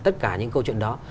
tất cả những câu chuyện đó